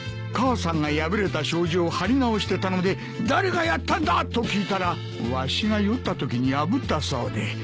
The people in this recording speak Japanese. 母さんが破れた障子を張り直してたので誰がやったんだ！？と聞いたらわしが酔ったときに破ったそうで。